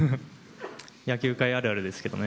野球界あるあるですけどね。